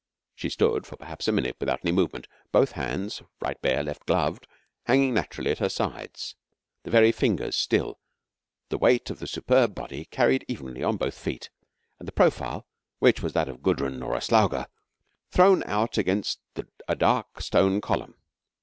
She stood for perhaps a minute without any movement, both hands right bare, left gloved hanging naturally at her sides, the very fingers still, the weight of the superb body carried evenly on both feet, and the profile, which was that of Gudrun or Aslauga, thrown out against a dark stone column.